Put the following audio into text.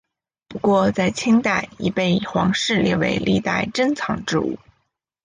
不过在清代已被皇室列为世代珍藏之物。